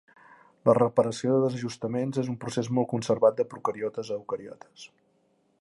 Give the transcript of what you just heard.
La reparació de desajustaments és un procés molt conservat de procariotes a eucariotes.